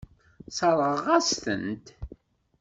Sseṛɣeɣ-as-tent.